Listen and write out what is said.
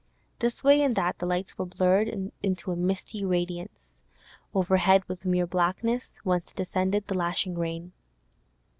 This way and that the lights were blurred into a misty radiance; overhead was mere blackness, whence descended the lashing rain.